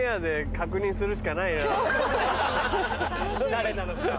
誰なのか。